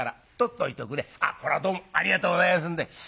「あっこらどうもありがとうございますんで。